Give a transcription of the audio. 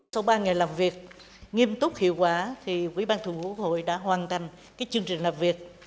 sau ba ngày làm việc nghiêm túc hiệu quả thì quỹ ban thường vụ quốc hội đã hoàn thành chương trình làm việc